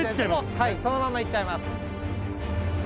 そのまま行っちゃいます。